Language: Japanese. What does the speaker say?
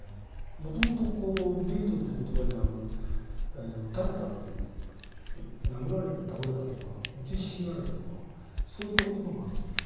もともと「ビート」という言葉には「打たれた」という事「殴られて倒れた」とか「うちひしがれた」とかそういった言葉があるわけですよ。